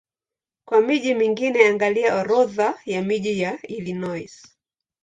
Kwa miji mingine angalia Orodha ya miji ya Illinois.